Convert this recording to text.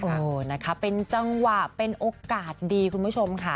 โอ้นะคะเป็นจังหวะเป็นโอกาสดีคุณผู้ชมค่ะ